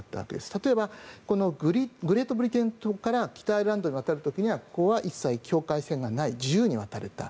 例えばグレートブリテン島から北アイルランドに渡る時にはここは一切境界線がない自由に渡れた。